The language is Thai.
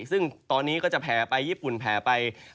ซึ่งตอนนี้ก็จะแผ่ไปญี่ปุ่นแผ่ไป